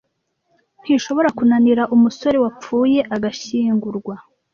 Ntishobora kunanira umusore wapfuye agashyingurwa,